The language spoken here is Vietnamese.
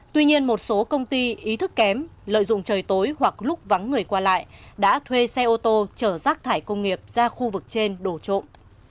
tuy nhiên một số công ty ý thức kém lợi dụng trời tối hoặc lúc vắng người qua lại đã thuê xe ô tô chở rác thải công nghiệp ra khu vực trên đổ trộm